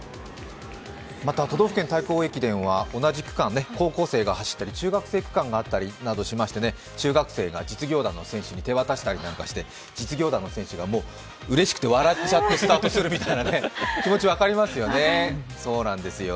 また、都道府県対抗駅伝は同じ区間を高校生が走ったり中学生区間があったりしましてね、中学生が実業団の選手に手渡したりなんかして実業団の選手がうれしくて笑っちゃってスタートするみたいな、気持ち分かりますよね。